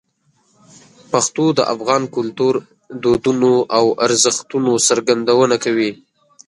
پښتو د افغان کلتور، دودونو او ارزښتونو څرګندونه کوي.